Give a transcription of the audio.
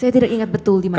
saya tidak ingat betul di mana